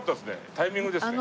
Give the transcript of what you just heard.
タイミングですね。